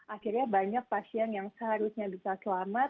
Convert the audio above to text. akhirnya banyak pasien yang seharusnya bisa selamat